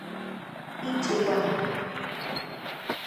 ịchekwa